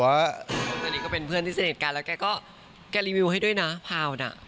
ตอนนี้ก็เป็นเพื่อนที่สนิทกันแล้วแกก็แกรีวิวให้ด้วยนะพาวน่ะ